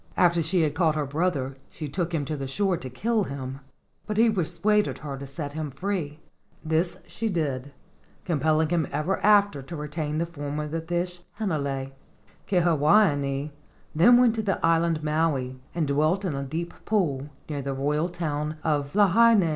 After she had caught her brother she took him to the shore to kill him, but he persuaded her to set him free. This she did, compelling him ever after to retain the form of the fish Hinalea. Kiha wahine then went to the island Maui and dwelt in a deep pool near the old royal town of Lahaina.